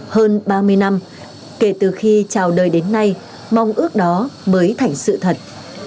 hơn ba mươi năm kể từ khi chào đời đến nay mong ước đó mới thành sự thật